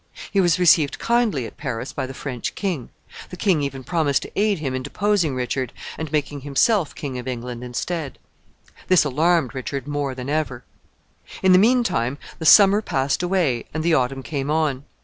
He was received kindly at Paris by the French king. The king even promised to aid him in deposing Richard, and making himself King of England instead. This alarmed Richard more than ever. In the mean time, the summer passed away and the autumn came on.